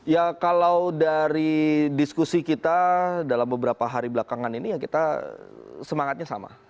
ya kalau dari diskusi kita dalam beberapa hari belakangan ini ya kita semangatnya sama